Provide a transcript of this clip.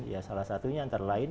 ya salah satunya antara lain